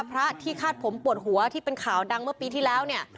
พระที่คาดผมปวดหัวที่เป็นข่าวดังเมื่อปีที่แล้วเนี่ย